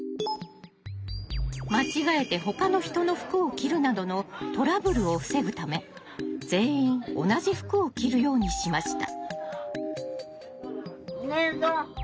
間違えてほかの人の服を着るなどのトラブルを防ぐため全員同じ服を着るようにしました。